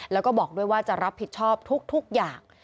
แล้วก็บอกด้วยว่าจะรับผิดชอบทุกอย่าง